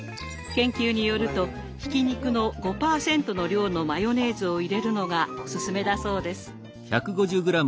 研究によるとひき肉の５％の量のマヨネーズを入れるのがオススメだそうです。